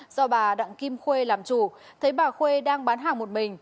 do bà đặng kim khuê làm chủ thấy bà khuê đang bán hàng một mình